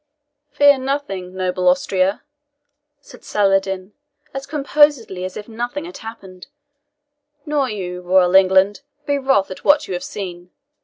"Fear nothing, noble Austria," said Saladin, as composedly as if nothing had happened, "nor you, royal England, be wroth at what you have seen.